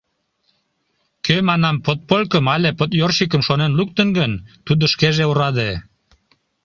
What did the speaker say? Кӧ, манам, «подполькым» але «подъёршикым» шонен луктын гын, тудо шкеже ораде.